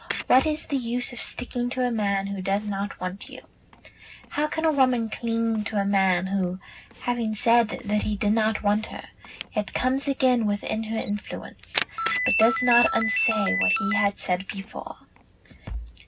"What is the use of sticking to a man who does not want you?" How can a woman cling to a man who, having said that he did not want her, yet comes again within her influence, but does not unsay what he had said before?